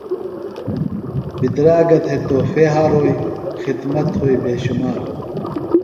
بِدراگہ تھےۡ تحفۡے ھاروئی خِدمت تھوئی بے شُمار